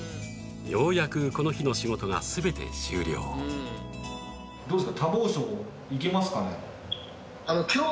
ようやくこの日の仕事がすべて終了どうですか？